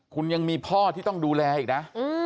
คุณยังมีพ่อที่ต้องดูแลอีกนะ